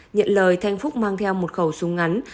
nhận lời thanh phúc mang theo một khẩu súng ngắn